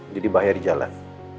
jadi bahaya di jalan